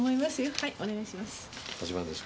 はいお願いします。